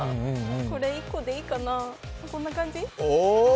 これ１個でいいかな、こんな感じ？